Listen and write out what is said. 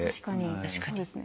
確かにそうですね。